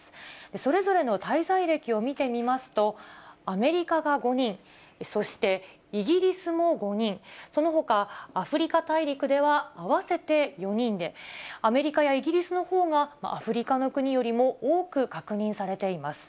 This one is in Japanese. それぞれの滞在歴を見てみますと、アメリカが５人、そしてイギリスも５人、そのほか、アフリカ大陸では合わせて４人で、アメリカやイギリスのほうがアフリカの国よりも多く確認されています。